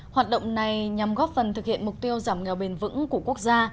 hoạt động này nhằm góp phần thực hiện mục tiêu giảm nghèo bền vững của quốc gia